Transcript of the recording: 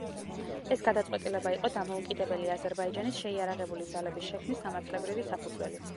ეს გადაწყვეტილება იყო დამოუკიდებელი აზერბაიჯანის შეიარაღებული ძალების შექმნის სამართლებრივი საფუძველი.